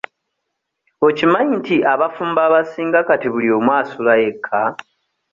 Okimanyi nti abafumbo abasinga kati buli omu asula yekka.?